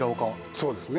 そうですね。